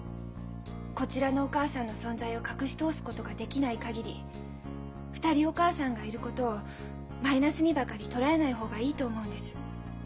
こちらのお母さんの存在を隠し通すことができないかぎり２人お母さんがいることをマイナスにばかり捉えない方がいいと思うんです。